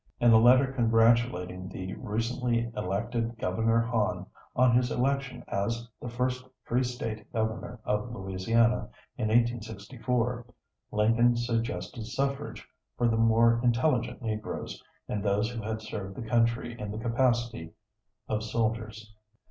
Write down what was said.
In a letter congratulating the recently elected Governor Hahn on his election as the "first free state governor of Louisiana" in 1864, Lincoln suggested suffrage for the more intelligent Negroes, and those who had served the country in the capacity of soldiers.